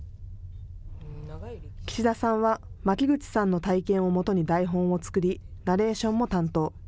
岸田さんは巻口さんの体験をもとに台本を作り、ナレーションも担当。